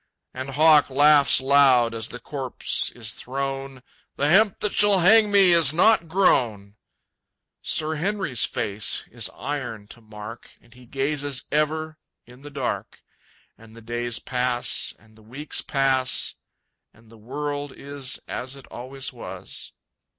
And Hawk laughs loud as the corpse is thrown, "The hemp that shall hang me is not grown!" Sir Henry's face is iron to mark, And he gazes ever in the dark. And the days pass, and the weeks pass, And the world is as it always was.